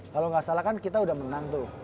kalau nggak salah kan kita udah menang tuh